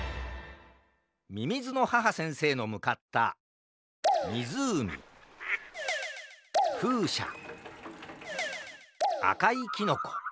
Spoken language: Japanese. みみずの母先生のむかったみずうみふうしゃあかいキノコ